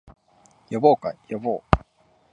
呼ぼうか、呼ぼう